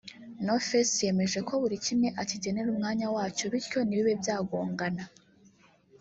No Face yemeje ko buri kimwe akigenera umwanya wacyo bityo ntibibe byagongana